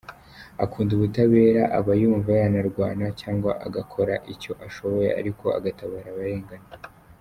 Akunda ubutabera aba yumva yanarwana cyangwa agakora icyo ashoboye ariko agatabara abarengana.